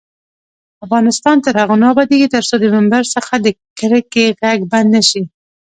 افغانستان تر هغو نه ابادیږي، ترڅو د ممبر څخه د کرکې غږ بند نشي.